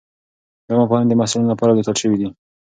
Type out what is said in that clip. دا مفاهیم د محصلینو لپاره لیکل شوي دي.